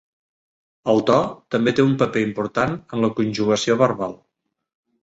El to també té un paper important en la conjugació verbal.